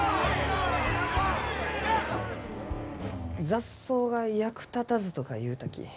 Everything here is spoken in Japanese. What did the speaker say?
「雑草が役立たず」とか言うたき。